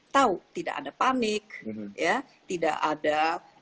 tahu tidak ada panik ya tidak ada